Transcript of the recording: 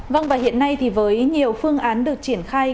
vâng và hiện nay thì với nhiều phương án được triển khai